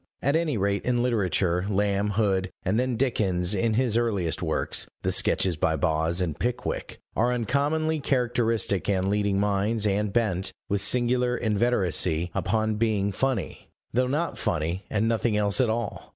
At any rate, in literature, Lamb, Hood, and then Dickens in his earliest works, the Sketches by Boz and Pickwick, are uncommonly characteristic and leading minds, and bent, with singular inveteracy, upon being "funny," though not funny and nothing else at all.